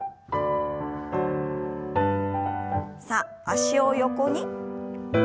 さあ脚を横に。